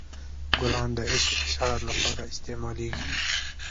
ګلان د عشق اظهار لپاره استعمالیږي.